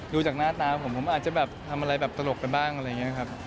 ดูจากหน้าตาผมผมอาจจะแบบทำอะไรแบบตลกไปบ้างอะไรอย่างนี้ครับ